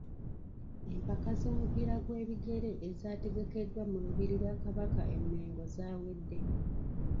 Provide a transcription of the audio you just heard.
Empaka z’omupiira gw’ebigere ezaategekeddwa mu Lubiri lwa Kabaka e Mengo zaawedde.